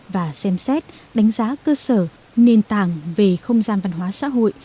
và xem xét đánh giá cơ sở nền tảng về không gian văn hóa xã hội